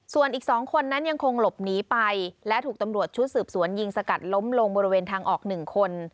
ส่วนอีก๒คนนั้นยังคงหลบหนีไปและถูกตำรวจชุดสืบสวนยิงสกัดล้มลงบริเวณทางออก๑คน